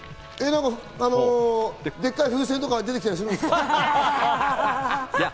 でっかい風船とか出てきたりするんですか？